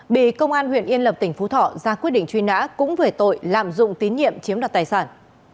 bị công an huyện yên lập tỉnh phú thọ ra quyết định truy nã cũng về tội lạm dụng tín nhiệm chiếm đoạt tài sản